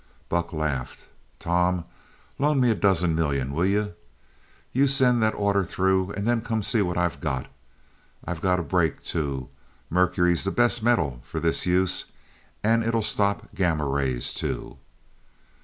Buck laughed. "Tom, loan me a dozen million, will you? You send that order through, and then come see what I've got. I've got a break, too! Mercury's the best metal for this use and it'll stop gamma rays too!"